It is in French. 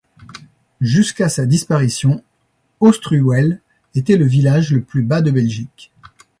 Jusqu'à sa disparition, Austruweel était le village le plus bas de Belgique.